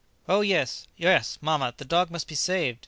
"Oh, yes, yes, mamma, the dog must be saved!"